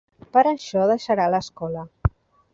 Per això deixarà l'escola.